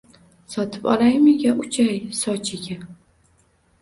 Sotib olaymi yo uchay Sochiga?»